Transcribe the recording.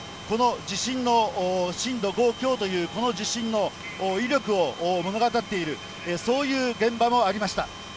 この地震の震度５強という、この地震の威力を物語っている、そういう現場もありました。